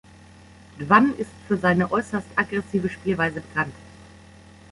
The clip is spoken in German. Dwan ist für seine äußerst aggressive Spielweise bekannt.